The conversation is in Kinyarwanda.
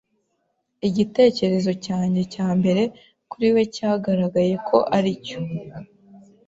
Igitekerezo cyanjye cya mbere kuri we cyagaragaye ko ari cyo.